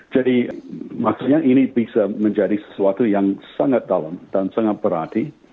jadi maksudnya ini bisa menjadi sesuatu yang sangat dalam dan sangat berarti